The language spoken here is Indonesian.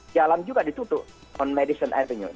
jalan juga ditutup on madison avenue